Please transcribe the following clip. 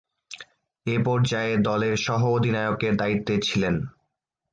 এ পর্যায়ে দলের সহঃ অধিনায়কের দায়িত্বে ছিলেন।